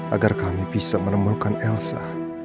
agar kami bisa menemukan elsa